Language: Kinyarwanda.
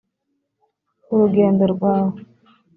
urugendo rwawe